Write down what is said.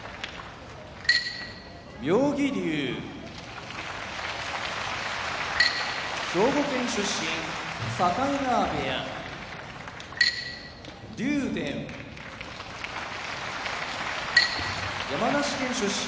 妙義龍兵庫県出身境川部屋竜電山梨県出身